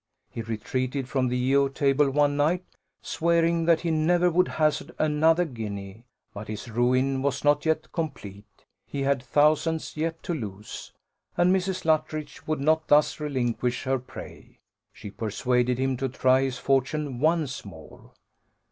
He retreated from the E O table one night, swearing that he never would hazard another guinea. But his ruin was not yet complete he had thousands yet to lose, and Mrs. Luttridge would not thus relinquish her prey. She persuaded him to try his fortune once more.